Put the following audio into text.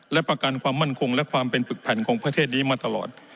และประกันความมั่นคงและความเป็นปึกผันของประเทศนี้มาตลอด